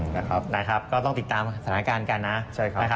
นะครับนะครับก็ต้องติดตามสถานการณ์กันนะใช่ครับนะครับ